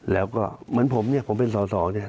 เหมือนผมเนี่ยผมเป็นสอสอเนี่ย